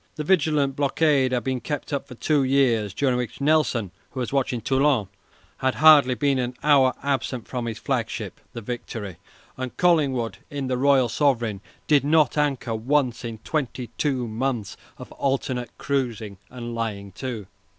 The vigilant blockade had been kept up for two years, during which Nelson, who was watching Toulon, had hardly been an hour absent from his flagship, the "Victory"; and Collingwood, in the "Royal Sovereign," did not anchor once in twenty two months of alternate cruising and lying to.